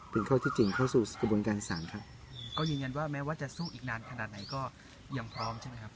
เป็นข้อที่จริงเข้าสู่กระบวนการศาลครับก็ยืนยันว่าแม้ว่าจะสู้อีกนานขนาดไหนก็ยังพร้อมใช่ไหมครับ